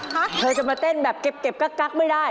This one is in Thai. เธอจะมาเต้นแบบเก็บกักไม่ได้